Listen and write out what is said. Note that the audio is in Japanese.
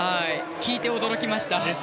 聞いて驚きました。